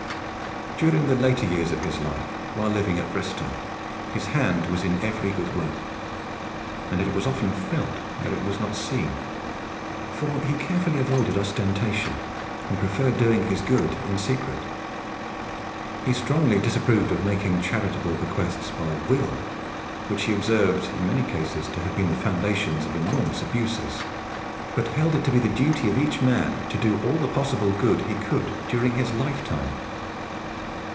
During the later years of his life, while living at Bristol, his hand was in every good work; and it was often felt where it was not seen. For he carefully avoided ostentation, and preferred doing his good in secret. He strongly disapproved of making charitable bequests by will, which he observed in many cases to have been the foundation of enormous abuses, but held it to be the duty of each man to do all the possible good that he could during his lifetime.